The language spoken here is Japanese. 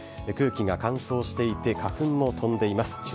空気が乾燥していて、花粉も飛んでいます。